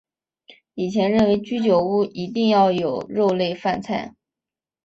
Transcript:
以前认为居酒屋一定要有肉类饭菜。